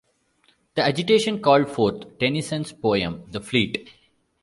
The agitation called forth Tennyson's poem "The Fleet".